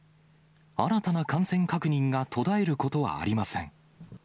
新たな感染確認が途絶えることはありません。